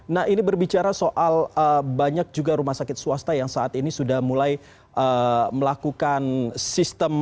nah ini berbicara soal banyak juga rumah sakit swasta yang saat ini sudah mulai melakukan sistem